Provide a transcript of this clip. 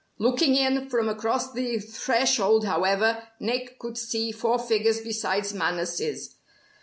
Looking in from across the threshold, however, Nick could see four figures besides Manners'.